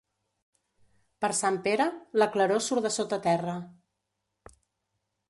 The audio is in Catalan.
Per Sant Pere, la claror surt de sota terra.